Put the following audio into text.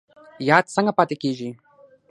یاد څنګه پاتې کیږي؟